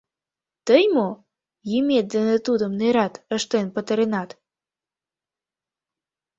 — Тый мо, йӱмет дене тудым нерат ыштен пытаренат?